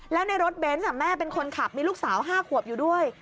แล้วในรถเบนส์แม่เป็นคนขับมีลูกสาว๕ขวบอยู่ด้วย